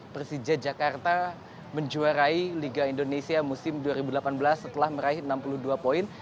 persija jakarta menjuarai liga indonesia musim dua ribu delapan belas setelah meraih enam puluh dua poin